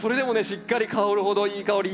しっかり香るほどいい香り。